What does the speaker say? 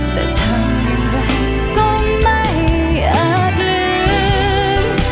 แต่ทำอย่างไรก็ไม่อาจลืม